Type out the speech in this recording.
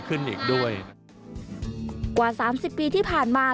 กว่า๓๐ปีที่ผ่านมา